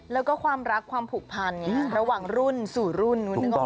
แล้วก็ความรักความผูกพันไงระหว่างรุ่นสู่รุ่นนึกออก